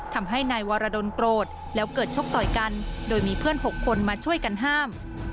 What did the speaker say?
ทำให้นายวรดลโกรธแล้วเกิดชกต่อยกันโดยมีเพื่อน๖คนมาช่วยกันห้าม